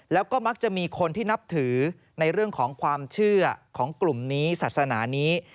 แล้วก็มักจะมีคนที่นับถือในเรื่องของความเชื่อของกลุ่มนี้ศาสนานี้